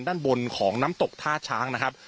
ด้านบนของน้ำตกท่าช้างนะครับ